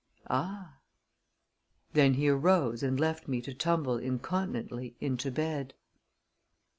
"Ah." Then he arose and left me to tumble incontinently into bed.